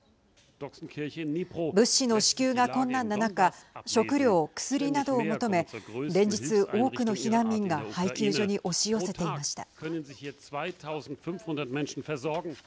物資の支給が困難な中食料、薬などを求め連日、多くの避難民が配給所に押し寄せていました。